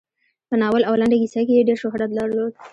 په ناول او لنډه کیسه کې یې ډېر شهرت درلود.